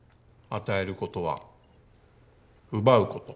与えることは奪うこと。